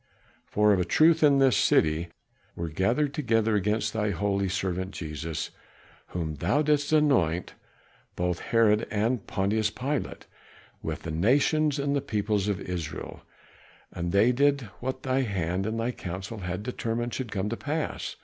"For of a truth, in this city were gathered together against thy holy servant Jesus, whom thou didst anoint, both Herod and Pontius Pilate, with the nations and the peoples of Israel. And they did what thy hand and thy counsel had determined should come to pass.